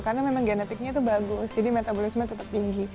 karena memang genetiknya itu bagus jadi metabolisme tetap tinggi